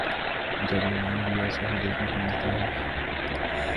جب یہاں بھی ایسا ہی دیکھنے کو ملتا تھا۔